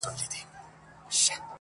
• جهاني قاصد دي بولي نوی زېری یې راوړی -